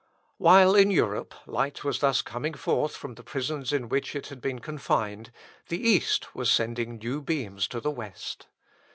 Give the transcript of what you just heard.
While in Europe light was thus coming forth from the prisons in which it had been confined, the East was sending new beams to the West.